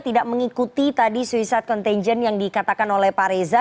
tidak mengikuti tadi suicide contagion yang dikatakan oleh pak reza